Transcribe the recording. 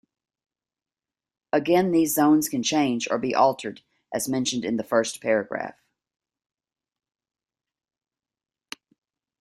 Again these zones can change or be altered as mentioned in the first paragraph.